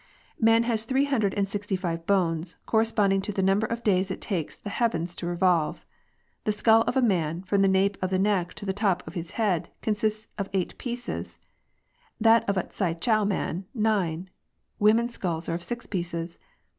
" Man has three hundred and sixty five bones, corresponding to the number of days it takes the heavens to revolve. The skull of a man, from the nape of the neck to the top of the head, consists of eight pieces — that of a Ts'ai chow man, of nine ; women's skulls are of six pieces.